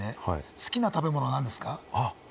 好きな食べ物は何ですか？